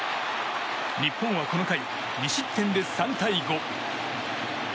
日本はこの回、２失点で３対５。